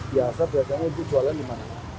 biasa biasanya untuk jualan di mana